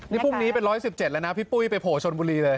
นี่พรุ่งนี้เป็น๑๑๗แล้วนะพี่ปุ้ยไปโผล่ชนบุรีเลย